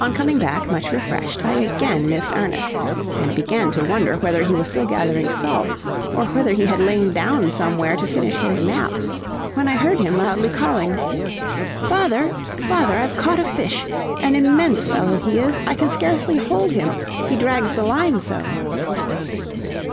On coming back, much refreshed, I again missed Ernest, and began to wonder whether he was still gathering salt, or whether he had lain down somewhere to finish his nap, when I heard him loudly calling: "Father, father, I've caught a fish! an immense fellow he is. I can scarcely hold him, he drags the line so!"